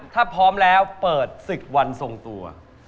ถ้าพร้อมแล้วเปิดศึกวันทรงตัว